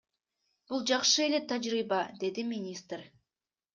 Бул жакшы эле тажрыйба, — деди министр.